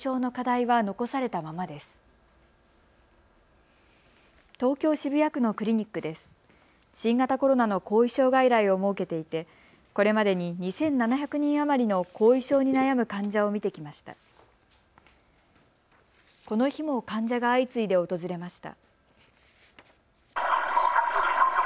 この日も患者が相次いで訪れました。